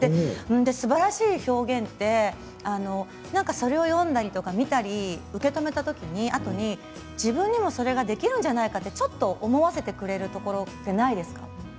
すばらしい表現ってそれを読んだり、見たり受け止めたときに自分にもそれができるんじゃないかってちょっと思わせてくれるところないですか。